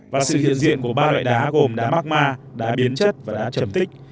và sự hiện diện của ba loại đá gồm đá magma đá biến chất và đá trầm tích